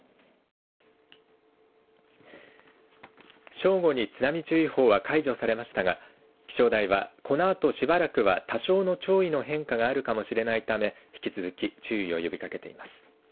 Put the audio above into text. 正午に津波注意報は解除されましたが気象台はこのあとしばらくは多少の潮位の変化があるかもしれないため引き続き注意を呼びかけています。